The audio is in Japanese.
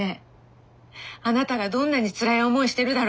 あなたがどんなにつらい思いしてるだろうかと思って。